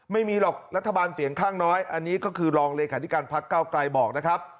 ไม่มีหรอกรัฐบาลเสียงข้างน้อยอันนี้ก็คือรองเลขาธิการพักเก้าไกลบอกนะครับ